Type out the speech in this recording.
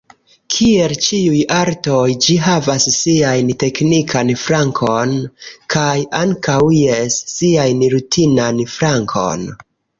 Kiel ĉiuj artoj, ĝi havas sian teknikan flankon, kaj ankaŭ, jes, sian rutinan flankon.